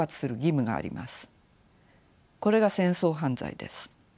これが戦争犯罪です。